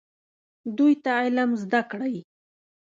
دوی ته علم زده کړئ